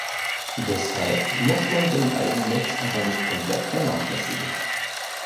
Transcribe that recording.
Deshalb muss man den Eigennutz aber nicht komplett vernachlässigen.